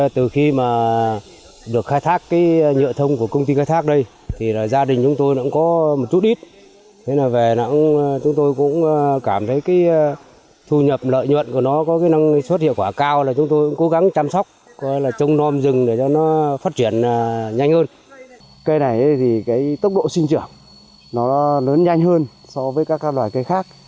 tốc độ sinh trưởng lớn nhanh hơn so với các loài cây khác